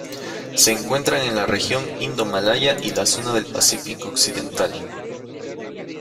Se encuentran en la región indomalaya y la zona del Pacífico occidental.